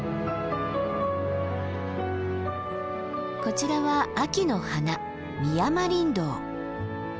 こちらは秋の花ミヤマリンドウ。